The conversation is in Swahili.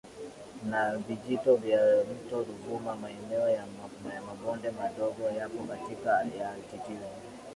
na vijito vya mto Ruvuma Maeneo ya mabonde madogo yapo kati ya altitudi